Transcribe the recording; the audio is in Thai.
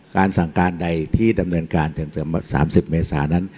การสั่งการใดที่ดำเนินการถึงสามสิบเมษานั้น